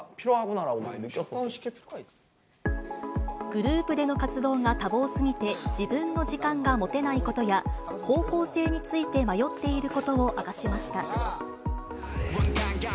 グループでの活動が多忙すぎて自分の時間が持てないことや、方向性について迷っていることを明かしました。